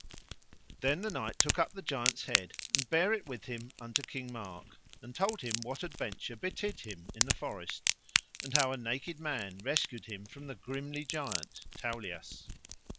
Then the knight took up the giant's head and bare it with him unto King Mark, and told him what adventure betid him in the forest, and how a naked man rescued him from the grimly giant, Tauleas.